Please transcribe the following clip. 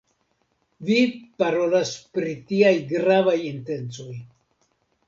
Vi parolas pri tiaj gravaj intencoj.